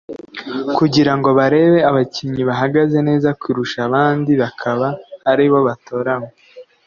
kugira ngo barebe abakinnyi bahagaze neza kurusha abandi bakaba ari bo batoranywa